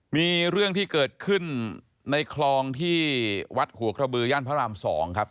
มีเรื่องที่เกิดขึ้นในคลองที่วัดหัวกระบือย่านพระราม๒ครับ